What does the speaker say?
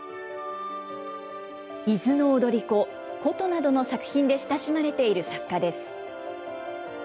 伊豆の踊子、古都などの作品で親しまれている作家です。